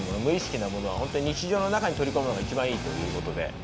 無意識なものは本当に日常の中に取り込むのが一番いいという事で。